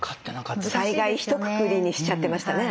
災害ひとくくりにしちゃってましたね。